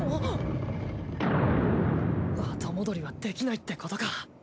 後戻りはできないってことか。